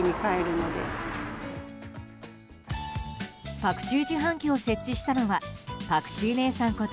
パクチー自販機を設置したのはパクチー姉さんこと